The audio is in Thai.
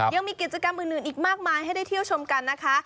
ยังมีกิจกรรมอื่นอีกมากมายให้ได้เที่ยวชมกันนะคะ